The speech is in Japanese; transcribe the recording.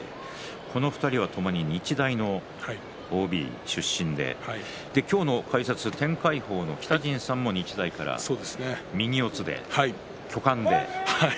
こちらはともに日大のＯＢ出身で今日の解説天鎧鵬の北陣さんも日大から右四つで巨漢で。